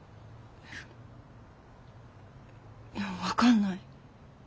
いや分かんない。